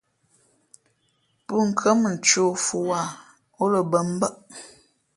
Pʉ̄nkhʉ̄ᾱ mα ncēh o fʉ̄ wāha , ǒ lα bᾱ mbάʼ.